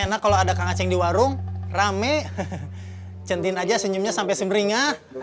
enak kalau adakah ngaceng di warung rame centin aja senyumnya sampai semeringnya